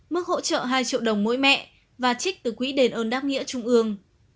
mức hỗ trợ hai triệu đồng mỗi mẹ và trích từ quỹ đền ơn đáp nghĩa trung ương